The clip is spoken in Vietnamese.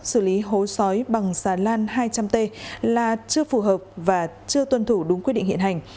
xử lý hối xói bằng xà lan hai trăm linh t là chưa phù hợp và chưa tuân thủ đúng quy định hiện hành